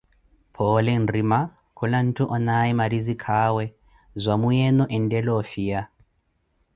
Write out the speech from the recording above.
Phoole nrima, kula ntthu onaaye marizikaawe, zwaamu yenu enttela ofiya.